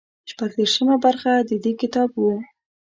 شپږ دېرشمه برخه د دې کتاب وو.